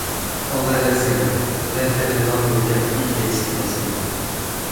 o len e sina. lete li lon li ken ike e sijelo sina.